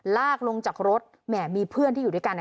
ลากลงจากรถแหมมีเพื่อนที่อยู่ด้วยกัน